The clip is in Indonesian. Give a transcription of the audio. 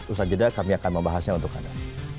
usaha jeda kami akan membahasnya untuk anda